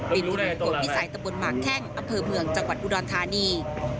เป็นที่มีตัวพิสัยตะบนมาแค่งอำเภอเมืองจังหวัดอุดอนทานี